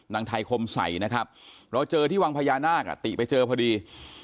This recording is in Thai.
นางไทยคมไสเราเจอที่วังพญานาคติไปเจอพอดี